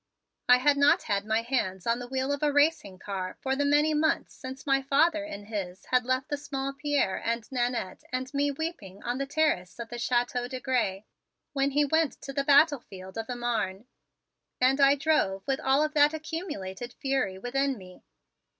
I had not had my hands on the wheel of a racing car for the many months since my father in his had left the small Pierre and Nannette and me weeping on the terrace of the Chateau de Grez when he went to the battlefield of the Marne, and I drove with all of that accumulated fury within me.